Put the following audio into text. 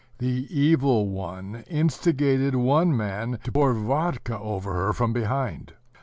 The Evil One instigated one man to pour vodka over her from behind.